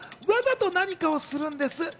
わざと何かをするんです。